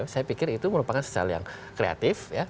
saya pikir itu merupakan secara yang kreatif